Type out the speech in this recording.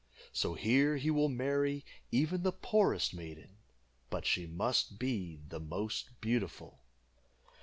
So here he will marry even the poorest maiden, but she must be the most beautiful."